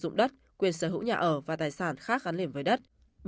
nguyện sở hữu nhà ở và tài sản khác gắn liểm với đất